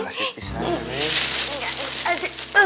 terima kasih pisahnya nih